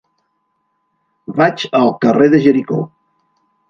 Vaig al carrer de Jericó.